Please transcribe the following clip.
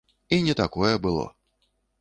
І не такое было!